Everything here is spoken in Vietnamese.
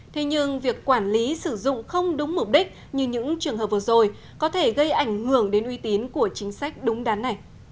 thế nhưng việc quản lý sử dụng không đúng mục đích như những trường hợp vừa rồi có thể gây ảnh hưởng đến uy tín của chính sách đúng đắn này